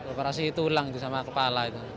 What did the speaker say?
operasi tulang di sama kepala itu